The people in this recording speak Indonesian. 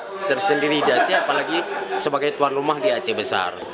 saya tersendiri di aceh apalagi sebagai tuan rumah di aceh besar